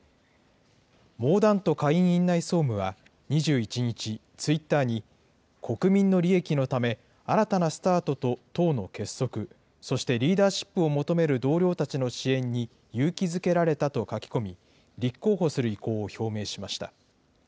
モーダント下院院内総務は２１日、ツイッターに、国民の利益のため、新たなスタートと党の結束、そしてリーダーシップを求める同僚たちの支援に勇気づけられたと書き込み、立候補する意向を表明しました。